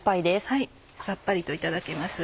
さっぱりといただけます。